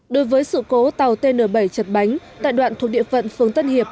đối với sự cố tàu tn bảy chật bánh tại đoạn thuộc địa phận phường tân hiệp